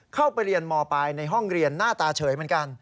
เข้าไปเรียนมปลายในห้องเรียนหน้าตาเฉยเหมือนกัน